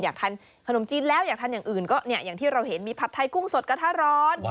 อยากทานขนมจีนแล้วอยากทานอย่างอื่นก็เนี่ยอย่างที่เราเห็นมีผัดไทยกุ้งสดกระทะร้อน